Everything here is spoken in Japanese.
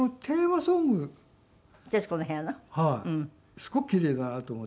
すごく奇麗だなと思って。